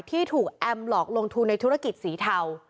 ที่ถูกแอมหลอกลงทุนในธุรกิจสีเทา